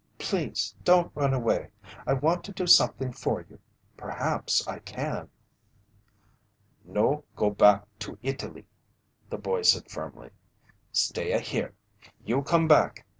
Please don't run away. I want to do something for you perhaps I can." "No go back to Italy," the boy said firmly. "Stay a here you come back.